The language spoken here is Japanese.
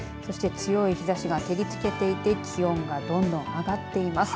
強い日ざしが照りつけていて気温がどんどん上がっています。